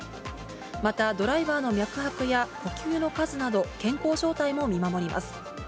またドライバーの脈拍や呼吸の数など、健康状態も見守ります。